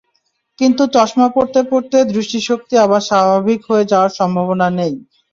কিন্তু চশমা পরতে পরতে দৃষ্টিশক্তি আবার স্বাভাবিক হয়ে যাওয়ার সম্ভাবনা নেই।